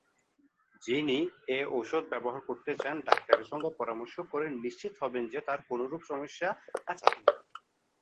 যিনি এ ঔষধ ব্যবহার করতে চান ডাক্তারের সঙ্গে পরামর্শ করে নিশ্চিত হবেন যে তার কোনোরূপ সমস্যা আছে কিনা।